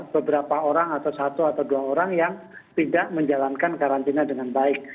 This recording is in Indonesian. beberapa orang atau satu atau dua orang yang tidak menjalankan karantina dengan baik